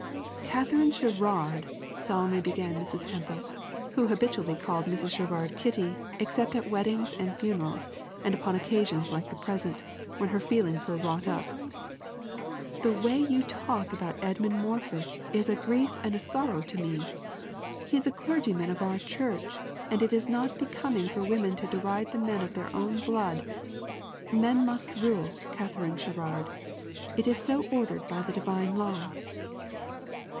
"Katharine Sherrard," solemnly began Mrs. Temple, who habitually called Mrs. Sherrard Kitty, except at weddings and funerals, and upon occasions like the present, when her feelings were wrought up, "the way you talk about Edmund Morford is a grief and a sorrow to me. He is a clergyman of our church, and it is not becoming for women to deride the men of their own blood. Men must rule, Katharine Sherrard. It is so ordered by the divine law."